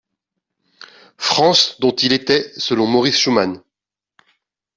France dont il était selon Maurice Schumann.